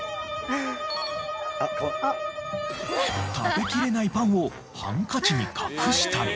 食べきれないパンをハンカチに隠したり。